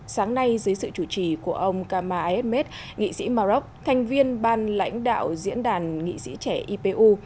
sáng nay dưới sự chủ trì của ông kama iebez nghị sĩ maroc thành viên ban lãnh đạo diễn đàn nghị sĩ trẻ ipu